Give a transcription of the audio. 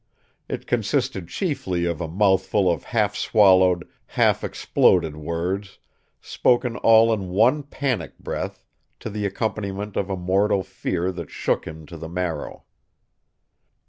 It consisted chiefly of a mouthful of half swallowed, half exploded words, spoken all in one panic breath, to the accompaniment of a mortal fear that shook him to the marrow.